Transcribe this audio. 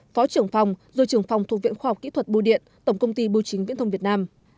phó trưởng phòng rồi trưởng phòng thuộc viện khoa học kỹ thuật bưu điện tổng công ty bưu chính viễn thông việt nam